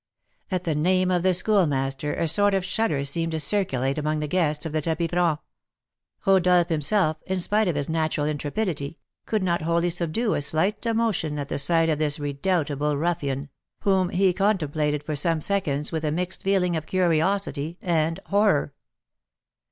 At the name of the Schoolmaster, a sort of shudder seemed to circulate amongst the guests of the tapis franc. Rodolph, himself, in spite of his natural intrepidity, could not wholly subdue a slight emotion at the sight of this redoubtable ruffian, whom he contemplated for some seconds with a mixed feeling of curiosity and horror.